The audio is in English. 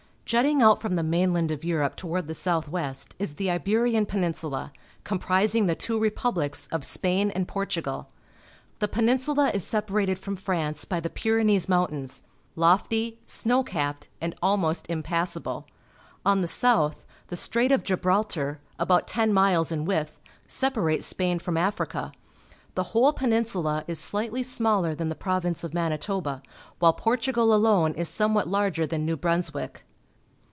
— .hitting out from the mainland of Europe toward the south west is the Iberian Peninsula, com prising the two republics of Spain and Portugal. The Peninsula is separated from France by the Pyrenees Alouniains, lofty, snow capped, and almost impassable. On the south the Strait of Gibraltar, about ten miles in width, separates Spain from Africa. The whole Peninsula is slightly smaller than the Province of Manitoba, while Portugal alone is somewhat larger than New Brunswick.